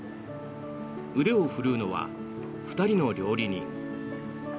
腕を振るうのは２人の料理人。